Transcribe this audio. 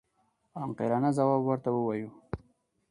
عاقلانه ځواب ورته ووایو.